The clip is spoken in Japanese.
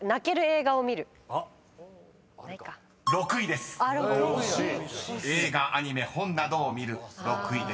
［映画アニメ本などを見る６位です］